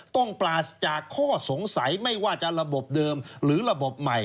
ปราศจากข้อสงสัยไม่ว่าจะระบบเดิมหรือระบบใหม่